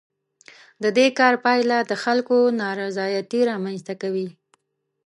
د دې کار پایله د خلکو نارضایتي رامنځ ته کوي.